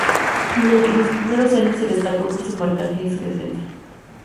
Durante sus primeros años se destacó por su marcaje y su defensa.